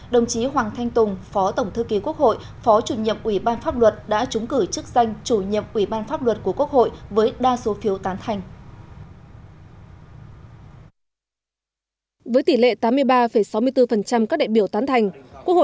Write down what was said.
đồng chí hoàng thanh tùng phó tổng thư ký quốc hội phó chủ nhiệm ủy ban pháp luật đã trúng cử chức danh chủ nhiệm ủy ban pháp luật của quốc hội với đa số phiếu tán thành